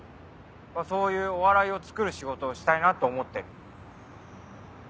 そういうお笑いをつくる仕事をしたいなと思ってる。